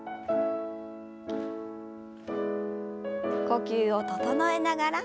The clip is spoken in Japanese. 呼吸を整えながら。